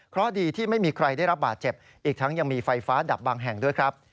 เพราะดีที่ไม่มีใครได้รับบาดเจ็บอีกทั้งยังมีไฟฟ้าดับบางแห่งด้วยครับ